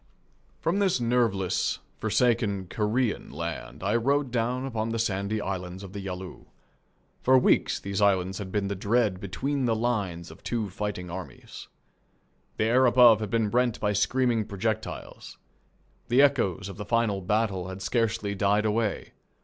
From this nerveless, forsaken Korean land I rode down upon the sandy islands of the Yalu. For weeks these islands had been the dread between the lines of two fighting armies. The air above had been rent by screaming projectiles. The echoes of the final battle had scarcely died away.